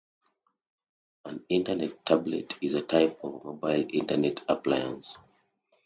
An Internet tablet is a type of a mobile Internet appliance.